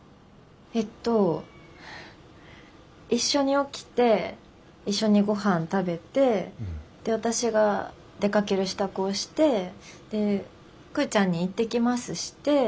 えっと一緒に起きて一緒にごはん食べてで私が出かける支度をしてでクウちゃんに行ってきますして。